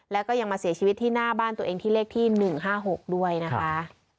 แล้วก็ยังมาเสียชีวิตที่หน้าบ้านตัวเองที่เลขที่๑๕๖ด้วยนะคะ